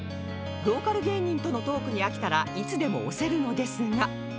ローカル芸人とのトークに飽きたらいつでも押せるのですが